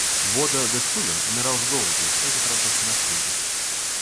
Бода Де Цулен умирал с голоду и все же тратился на книги.